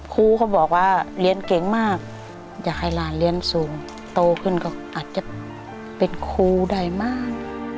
ครูเขาบอกว่าเรียนเก่งมากอยากให้หลานเรียนสูงโตขึ้นก็อาจจะเป็นครูได้มาก